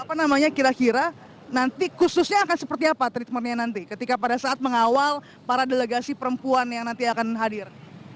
apa namanya kira kira nanti khususnya akan seperti apa treatmentnya nanti ketika pada saat mengawal para delegasi perempuan yang nanti akan hadir